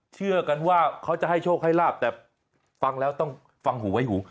เชื่อกันว่าเขาจะให้โชคให้ลาบแต่ฟังแล้วต้องฟังหูไว้หู